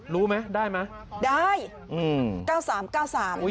รู้ไหมได้ไหมได้